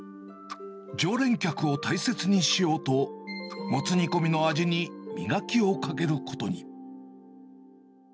常連客を大切にしようと、もつ煮込みの味に磨きをかけることに。